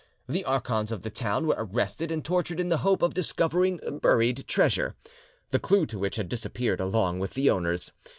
The archons of the town were arrested and tortured in the hope of discovering buried treasure, the clue to which had disappeared along with the owners.